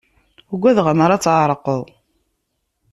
Ugadeɣ amar ad tεerqeḍ.